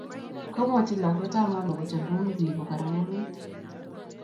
Kwamwachi lakwet aba mama kochop rumit ni kokararanit